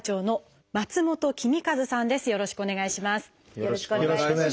よろしくお願いします。